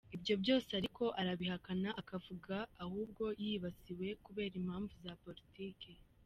Ibyo byose ariko arabihakana akavuga ahubwo yibasiwe kubera impamvu za politiki.